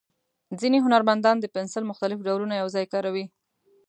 ځینې هنرمندان د پنسل مختلف ډولونه یو ځای کاروي.